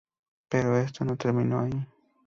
Pero esto no terminó ahí.